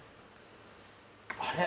あれ？